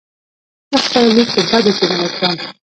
زه خپله لور په بدو کې نه ورکم .